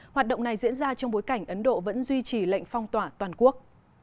hoạt động này diễn ra trong bối cảnh ấn độ vẫn duy trì lệnh phong tỏa toàn quốc